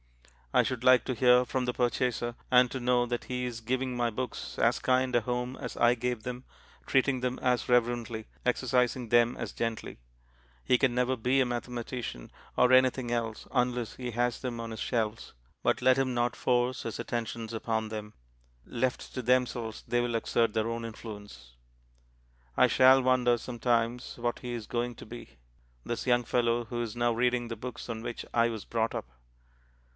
I should like to hear from the purchaser, and to know that he is giving my books as kind a home as I gave them, treating them as reverently, exercising them as gently. He can never be a mathematician, or anything else, unless he has them on his shelves, but let him not force his attentions upon them. Left to themselves they will exert their own influence. I shall wonder sometimes what he is going to be, this young fellow who is now reading the books on which I was brought up.